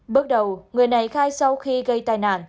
bước đầu người này khai sau khi gây tai nạn